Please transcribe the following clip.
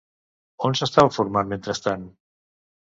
On s'estava formant mentrestant?